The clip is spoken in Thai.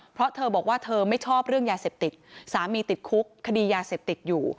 เพราะเธอบอกว่าเธอไม่ชอบเรื่องยาเสพติดสามีติดคุกคดียาเสพติดอยู่